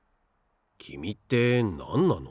きみってなんなの？